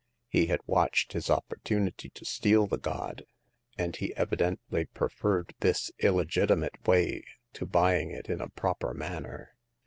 He had watched his oppor tunity to steal the god, as he evidently preferred this illegitimate way, to buying it in a proper manner.